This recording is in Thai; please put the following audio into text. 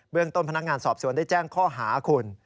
เรื่องต้นพนักงานสอบสวนได้แจ้งข้อหาคุณ